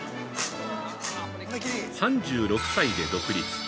３６歳で独立。